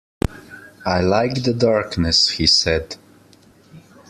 “I like the darkness,” he said.